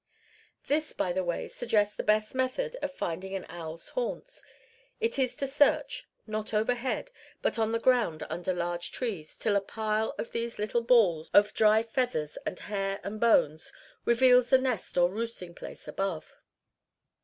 This, by the way, suggests the best method of finding an owl's haunts. It is to search, not overhead, but on the ground under large trees, till a pile of these little balls, of dry feathers and hair and bones, reveals the nest or roosting place above.